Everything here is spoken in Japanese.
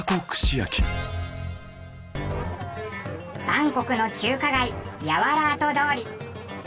バンコクの中華街ヤワラート通り。